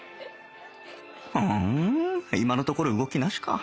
はん今のところ動きなしか